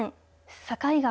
境川